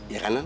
ya kan non